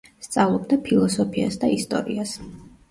სწავლობდა ფილოსოფიას და ისტორიას.